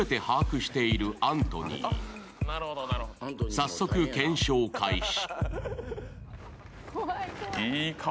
早速、検証開始。